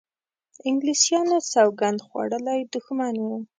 انګلیسیانو سوګند خوړولی دښمن وو.